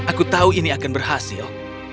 aku tahu ini akan berhasil